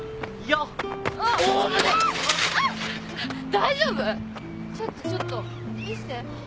ちょっとちょっと見して